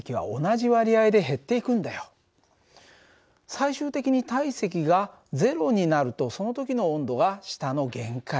最終的に体積が０になるとその時の温度が下の限界最低温度